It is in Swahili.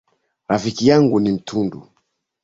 Rafiki yangu ni mtundu.